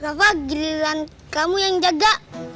apa giliran kamu yang jaga